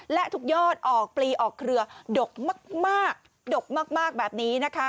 และทุกยอดออกปลีออกเครือดกมากดกมากแบบนี้นะคะ